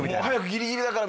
ギリギリだから！